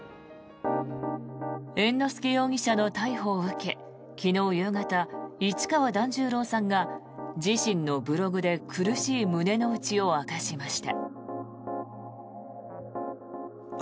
猿之助容疑者の逮捕を受け昨日夕方市川團十郎さんが自身のブログで苦しい胸の内を明かしました。